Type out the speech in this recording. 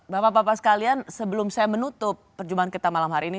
bapak bapak sekalian sebelum saya menutup perjumpaan kita malam hari ini